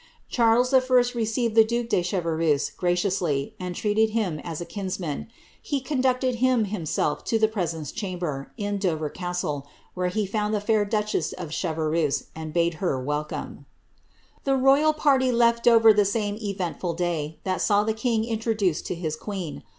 Charles I. received the duke de Chevreuse graciously, and treated him as a kinsman ; he conducted him himself to the presence chamber, in Dover castle, where he found the fair duchess of Chevreuse, and bade her welcome.* The royal party left Dover the same eventful day that saw the king introduced to his queen.